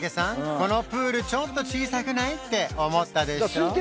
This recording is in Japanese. このプールちょっと小さくない？って思ったでしょ？